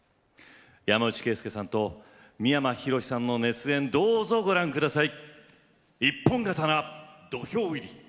山内惠介さんと三山ひろしさんの熱演をご覧ください。